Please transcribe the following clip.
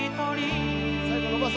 最後伸ばそう。